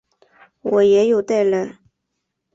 我也有带来